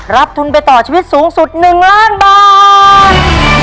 รับทุนเปต่อชีวิตสูงสุด๑๐๐๐๐๐๐บาท